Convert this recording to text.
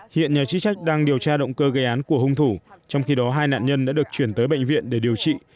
hiện nhà chức trách đang điều tra động cơ gây án của hung thủ trong khi đó hai nạn nhân đã được chuyển tới bệnh viện để điều trị